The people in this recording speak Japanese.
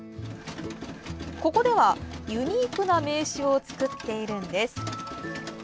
ここでは、ユニークな名刺を作っているんです。